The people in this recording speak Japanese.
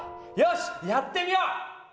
よしやってみよう！